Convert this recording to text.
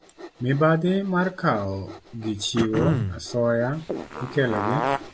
Mibadhi mar kawo gi chiwo asoya ikelo gi